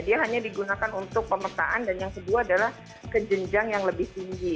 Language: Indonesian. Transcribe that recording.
dia hanya digunakan untuk pemetaan dan yang kedua adalah kejenjang yang lebih tinggi